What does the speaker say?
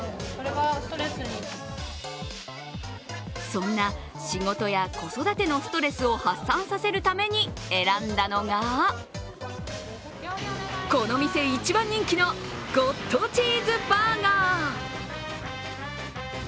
そんな仕事や子育てのストレスを発散させるために選んだのがこの店一番人気のゴッドチーズバーガー。